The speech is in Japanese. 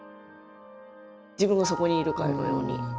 自分がそこにいるかのように。